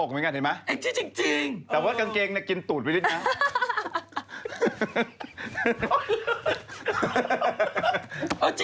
ไม่ล้กมาตรงนี้ถ่ายยุทธแอนกจี้ไว้นี่เห็นไหม